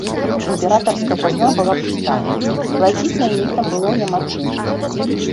Імператарская казна была пустая, і плаціць наймітам было няма чым.